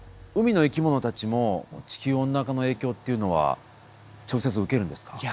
海の生き物たちも地球温暖化の影響っていうのは直接受けるんですか？